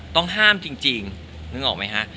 ต้องห้ามจริงนึกออกมั้ยคะ